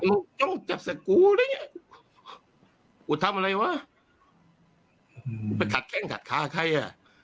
ถูกทำอะไรวะไปขัดแข้งขัดคาใครอ่ะ